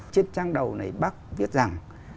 trên trang đầu này bác viết rằng